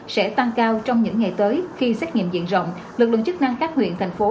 sẽ tăng cao trong những ngày tới khi xét nghiệm diện rộng lực lượng chức năng các huyện thành phố